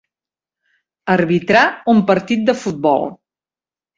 Arbitrar un partit de futbol.